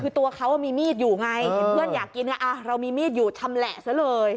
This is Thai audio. คือตัวเขามีมีดอยู่ไงเห็นเพื่อนอยากกินเรามีมีดอยู่ชำแหละซะเลย